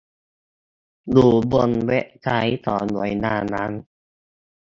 อยู่บนเว็บไซต์ของหน่วยงานนั้น